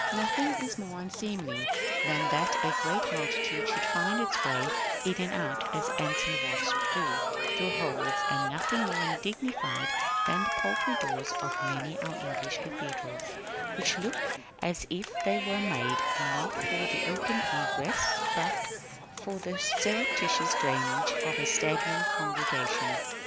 Nothing is more unseemly than that a great multitude should find its way out and in, as ants and wasps do, through holes; and nothing more undignified than the paltry doors of many of our English cathedrals, which look as if they were made, not for the open egress, but for the surreptitious drainage of a stagnant congregation.